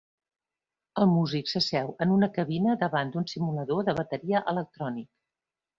El músic s'asseu en una cabina davant d'un simulador de bateria electrònic.